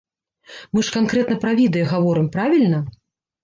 Мы ж канкрэтна пра відэа гаворым, правільна?